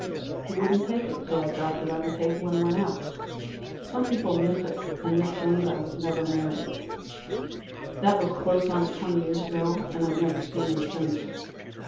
He wouldn't take it, so I dropped it on the table and went out. Some people miss it, and misbelieve I was ever married. That was close on to twenty years ago, and I've never seen him since.